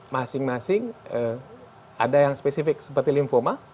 masing masing ada yang spesifik seperti lymphoma